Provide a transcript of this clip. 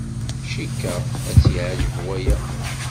Cikkeɣ ad tt-yeɛjeb waya.